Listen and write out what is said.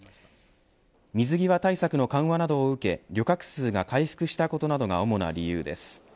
水際対策の緩和などを受け旅客数が回復したことなどが主な理由です。